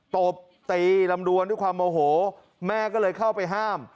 ตบตีลำดวนด้วยความโมโหแม่ก็เลยเข้าไปห้าม